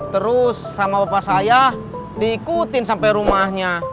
terus sama bapak saya diikutin sampai rumahnya